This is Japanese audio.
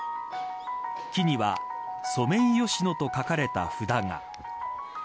木にはソメイヨシノと書かれた札が。